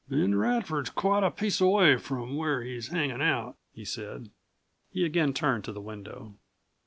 "Ben Radford's quite a piece away from where he's hangin' out," he said. He again turned to the window.